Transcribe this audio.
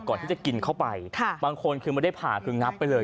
ก่อนที่จะกินเข้าไปบางคนคือไม่ได้ผ่าคืองับไปเลย